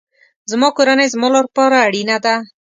زما کورنۍ زما لپاره اړینه ده